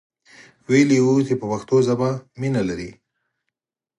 ویلی وو چې په پښتو ژبه مینه لري.